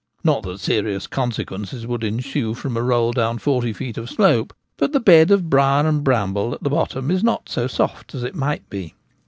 Not that serious con sequences would ensue from a roll down forty feet of slope ; but the bed of briar and bramble at the bottom is not so soft as it might be.